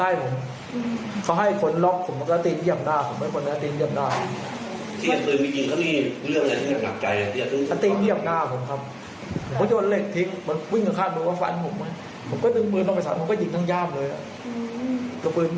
ยิงเข้าที่ตรงไหนอ่ะครับ